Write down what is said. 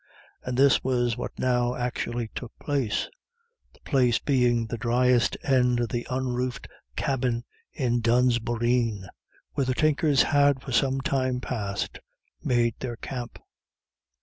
And this was what now actually took place, the place being the driest end of the un roofed cabin in Dunne's boreen, where the Tinkers had for some time past made their camp.